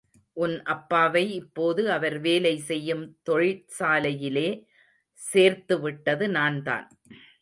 உன் அப்பாவை இப்போது அவர் வேலை செய்யும் தொழிற்சாலையிலே சேர்த்துவிட்டது நான்தான்.